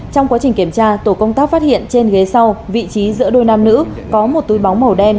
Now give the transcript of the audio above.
trong quá trình kiểm tra tổ công tác phát hiện trên ghế sau vị trí giữa đôi nam nữ có một túi bóng màu đen